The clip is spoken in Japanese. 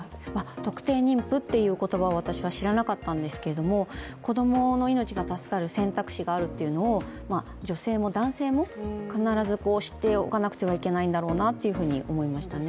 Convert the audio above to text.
特定妊婦っていう言葉は私は知らなかったんですけれども子供の命が助かる選択肢があるというのを女性も男性も必ず知っておかなくてはいけないんだろうなと思いましたね。